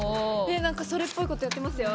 なんかそれっぽいことやってますよ。